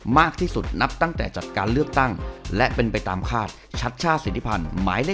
มากที่สุดนับตั้งแต่จัดการเลือกตั้งและเป็นไปตามคาดชัดช่าศิลภัณฑ์